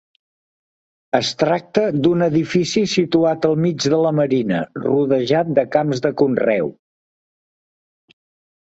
Es tracta d'un edifici situat al mig de La Marina, rodejat de camps de conreu.